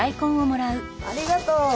ありがとう！